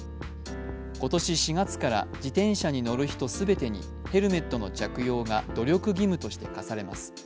今年４月から自転車に乗る人全てにヘルメットの着用が努力義務として課されます。